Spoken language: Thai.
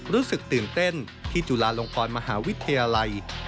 รู้สึกตื่นเต้นที่จุฬาลงกรมหาวิทยาลัย